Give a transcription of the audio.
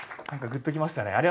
何かグッときましたね。